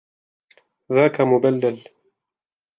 ذاك مبلل.